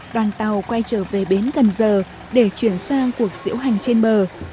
đoàn tàu quay trở về bến cần giờ để chuyển sang cuộc diễu hành trên bờ